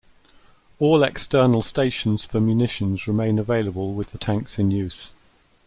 All external stations for munitions remain available with the tanks in use.